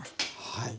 はい。